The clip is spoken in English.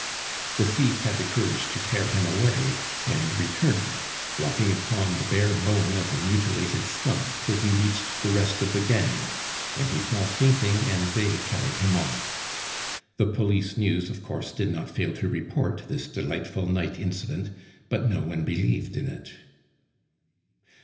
The thief had the courage to tear him away, and returned, walking upon the bare bone of the mutilated stump till he reached the rest of the gang, when he fell fainting, and they carried him off. The Police News, of course, did not fail to report this delightful night incident, but no one believed in it.